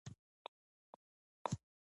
د کورنۍ سره د وخت تېرول د ذهني ارام سبب دی.